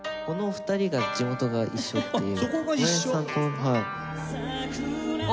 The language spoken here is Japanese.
この２人が地元が一緒っていう。